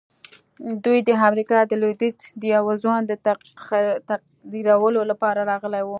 دوی د امریکا د لويديځ د یوه ځوان د تقدیرولو لپاره راغلي وو